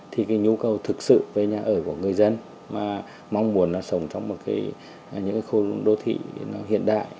thì cái nhu cầu thực sự về nhà ở của người dân mà mong muốn là sống trong những khu đô thị hiện đại